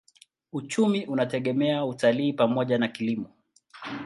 Uchumi unategemea utalii pamoja na kilimo.